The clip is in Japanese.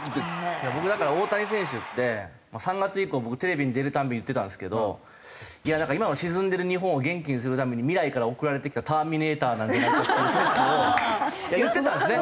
僕だから大谷選手って３月以降僕テレビに出る度言ってたんですけどいやなんか今の沈んでる日本を元気にするために未来から送られてきたターミネーターなんじゃないかっていう説を言ってたんですね。